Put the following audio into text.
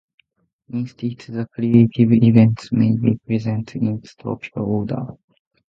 Instead, the creative events may be presented in a topical order.